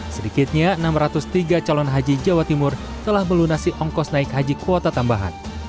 sedikitnya enam ratus tiga calon haji jawa timur telah melunasi ongkos naik haji kuota tambahan